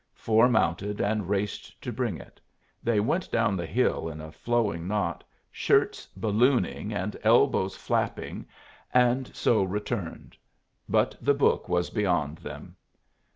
Four mounted, and raced to bring it. They went down the hill in a flowing knot, shirts ballooning and elbows flapping, and so returned. But the book was beyond them.